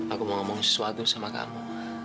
aku mau ngomong sesuatu sama kamu